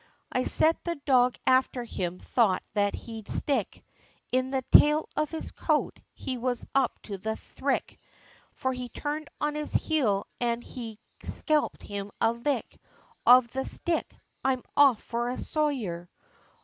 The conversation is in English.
I set the dog afther him, thought that he'd stick In the tail of his coat, he was up to the thrick; For he turned on his heel, an' he skelped him a lick, Of the stick, "I am off for a sojer!"